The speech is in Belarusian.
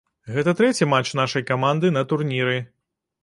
Гэта трэці матч нашай каманды на турніры.